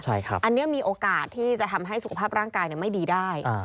อันนี้มีโอกาสที่จะทำให้สุขภาพร่างกายไม่ดีได้